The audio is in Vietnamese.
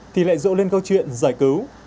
thì lại dỗ lên câu chuyện giải cứu